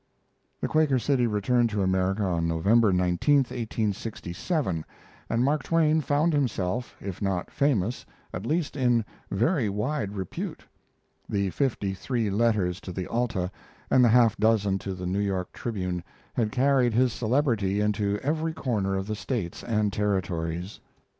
The Quaker City returned to America on November 19, 1867, and Mark Twain found himself, if not famous, at least in very wide repute. The fifty three letters to the Alta and the half dozen to the New York Tribune had carried his celebrity into every corner of the States and Territories.